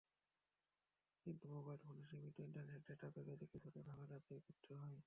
কিন্তু মোবাইল ফোনের সীমিত ইন্টারনেট ডেটা প্যাকেজে কিছুটা ঝামেলাতেই পড়তে হয়।